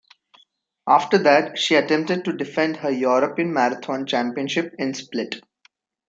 After that she attempted to defend her European Marathon Championship in Split.